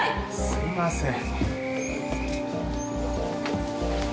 すいません。